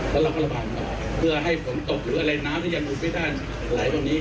แล้วเราระบบน้ำบอกเพื่อให้ฝนตกหรืออะไรน้ำที่ยังมุมไปด้านไหลตรงนี้